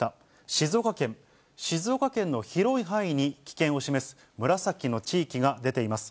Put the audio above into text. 静岡県、静岡県の広い範囲に危険を示す紫の地域が出ています。